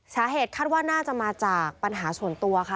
สาเหตุคาดว่าน่าจะมาจากปัญหาส่วนตัวค่ะ